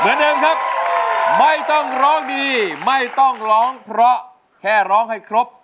เหมือนเดิมครับไม่ต้องร้องดีไม่ต้องร้องเพราะแค่ร้องให้ครบ